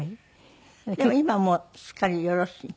でも今はもうすっかりよろしい？